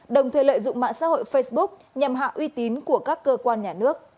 đồng thời lợi dụng mạng xã hội facebook nhằm hạ uy tín của các cơ quan nhà nước